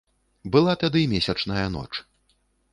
Была тады месячная ноч.